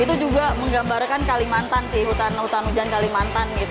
itu juga menggambarkan kalimantan sih hutan hujan kalimantan